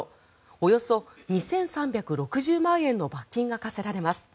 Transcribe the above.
およそ２３６０万円の罰金が科せられます。